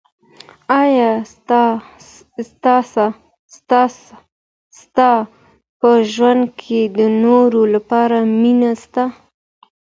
ایا ستا په ژوند کي د نورو لپاره مننه سته؟